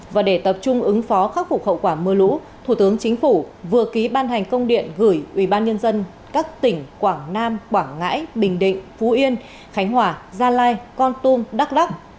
và để tập trung ứng phó khắc phục hậu quả mưa lũ thủ tướng chính phủ vừa ký ban hành công điện gửi ubnd các tỉnh quảng nam quảng ngãi bình định phú yên khánh hòa gia lai con tum đắk lắc